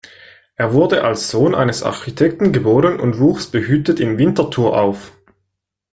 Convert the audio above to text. Er wurde als Sohn eines Architekten geboren und wuchs behütet in Winterthur auf.